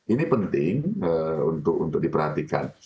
ini penting untuk diperhatikan